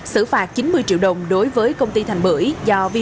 xử phạt chín mươi triệu đồng đối với công ty thành bửi